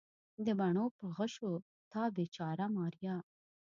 د بڼو په غشیو تا بیچاره ماریا